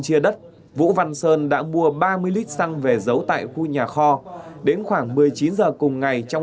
chia đất vũ văn sơn đã mua ba mươi lít xăng về giấu tại khu nhà kho đến khoảng một mươi chín h cùng ngày trong